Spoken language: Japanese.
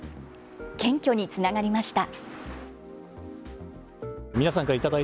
検挙につながりました。